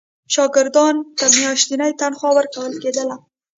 شاګردانو ته میاشتنی تنخوا ورکول کېدله.